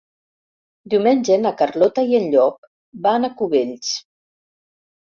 Diumenge na Carlota i en Llop van a Cubells.